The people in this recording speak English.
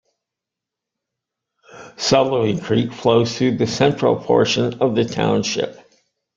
Sullivan Creek flows through the central portion of the township.